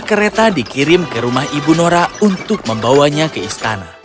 kereta dikirim ke rumah ibu nora untuk membawanya ke istana